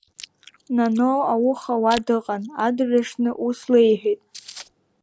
Наноу ауха уа дыҟан, адырҩаҽны ус леиҳәеит…